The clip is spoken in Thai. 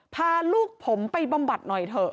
พาลูกผมไปบำบัดหน่อยเถอะ